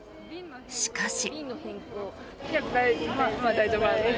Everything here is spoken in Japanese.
しかし。